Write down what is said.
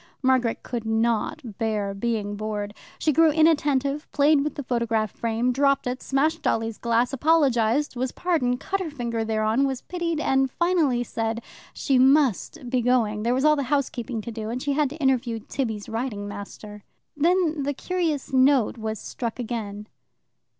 Margaret could not bear being bored. She grew inattentive, played with the photograph frame, dropped it, smashed Dolly's glass, apologized, was pardoned, cut her finger thereon, was pitied, and finally said she must be going there was all the housekeeping to do, and she had to interview Tibby's riding master. Then the curious note was struck again.